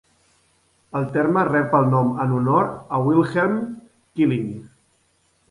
El terme rep el nom en honor a Wilhelm Killing.